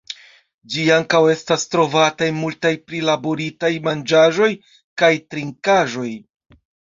Ĝi ankaŭ estas trovata en multaj prilaboritaj manĝaĵoj kaj trinkaĵoj.